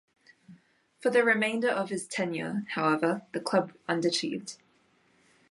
For the remainder of his tenure, however, the club underachieved.